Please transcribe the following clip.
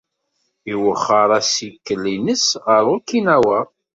Iwexxer assikel-nnes ɣer Okinawa.